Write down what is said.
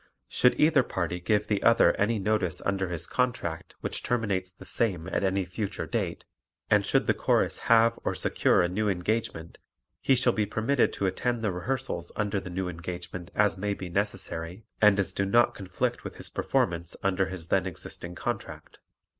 Should either party give the other any notice under his contract which terminates the same at any future date and should the Chorus have or secure a new engagement he shall be permitted to attend the rehearsals under the new engagement as may be necessary and as do not conflict with his performance under his then existing contract.